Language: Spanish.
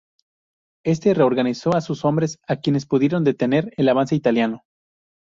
Éste reorganizó a sus hombres, quienes pudieron detener el avance italiano.